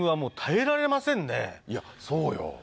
いやそうよ。